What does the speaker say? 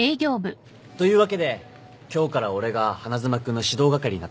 というわけで今日から俺が花妻君の指導係になったから。